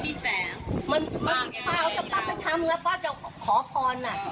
มีแสงมากไงอีกแล้วป้าเอาจากป้าไปทำแล้วป้าจะขอพรน่ะ